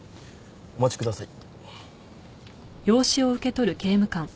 お待ちください。